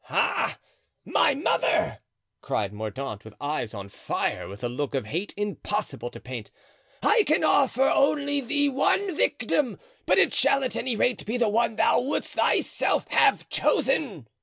"Ah! my mother," cried Mordaunt, with eyes on fire with a look of hate impossible to paint, "I can only offer thee one victim, but it shall at any rate be the one thou wouldst thyself have chosen!"